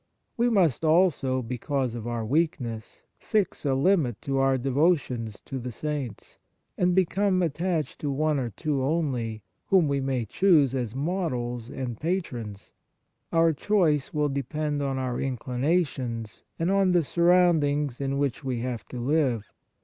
We must also, because of our weakness, fix a limit to our devotions to the Saints, and become attached to one or two only, whom we may choose as models and patrons ; our choice will depend on our inclinations and on the surround 65 E On the Exercises of Piety ings in which we have to live.